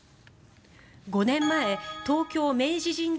５年前東京・明治神宮